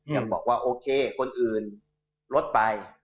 ยังบอกว่าโอเคคนอื่นลดไป